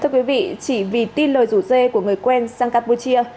thưa quý vị chỉ vì tin lời rủ dê của người quen sang campuchia